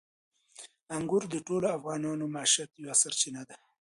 انګور د ټولو افغانانو د معیشت یوه سرچینه ده.